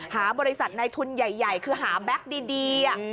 หาบริษัทในทุนใหญ่คือหาแบ็คดี